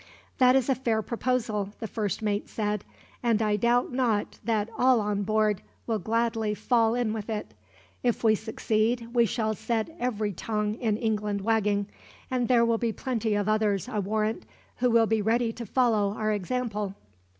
"That is a fair proposal," the first mate said; "and I doubt not that all on board will gladly fall in with it. If we succeed, we shall set every tongue in England wagging; and there will be plenty of others, I warrant, who will be ready to follow our example."